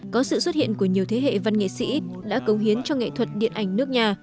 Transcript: có sự xuất hiện của nhiều thế hệ văn nghệ sĩ đã cống hiến cho nghệ thuật điện ảnh nước nhà